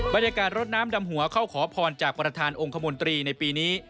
รถน้ำดำหัวเข้าขอพรจากประธานองค์คมนตรีในปีนี้